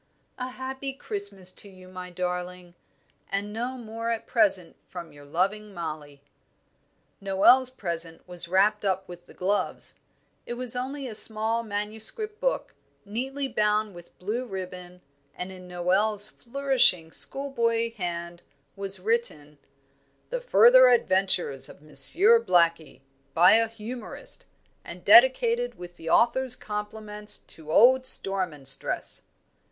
A happy Christmas to you, my darling! and no more at present from your loving Mollie." Noel's present was wrapped up with the gloves; it was only a small manuscript book, neatly bound with blue ribbon, and in Noel's flourishing school boy hand was written, "The further adventures of Monsieur Blackie, by a Humourist, and dedicated with the author's compliments to old Storm and Stress."